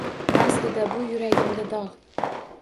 Аslida bu – yuragimda dogʼ